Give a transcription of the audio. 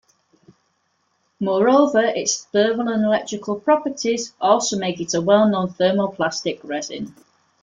Moreover, its thermal and electrical properties also make it a well known thermoplastic resin.